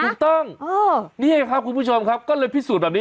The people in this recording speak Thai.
ถูกต้องนี่ครับคุณผู้ชมครับก็เลยพิสูจน์แบบนี้